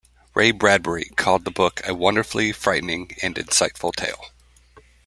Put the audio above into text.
Ray Bradbury called the book "a wonderfully frightening and insightful tale".